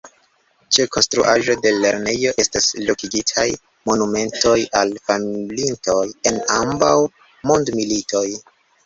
Ĉe konstruaĵo de lernejo estas lokigitaj monumentoj al falintoj en ambaŭ mondmilitoj.